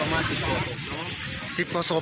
แยกหนึ่งประมาณ๑๐ศพ